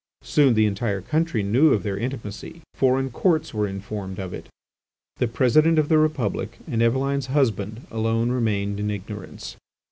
Soon the entire country knew of their intimacy. Foreign Courts were informed of it. The President of the Republic and Eveline's husband alone remained in ignorance.